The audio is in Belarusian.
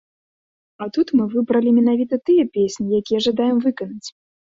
А тут мы выбралі менавіта тыя песні, якія жадаем выканаць.